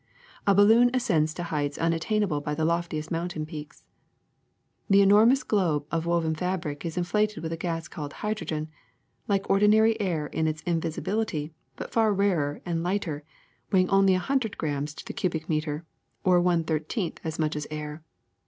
^^A balloon ascends to heights unattained by the loftiest mountain peaks. The enormous globe of woven fabric is inflated with a gas called hydrogen, like ordinary air in its invisibility, but far rarer and lighter, weighing only a hundred grams to the cubic meter, or one thirteenth as much as air.